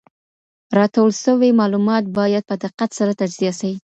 راټول سوي معلومات باید په دقت سره تجزیه سي.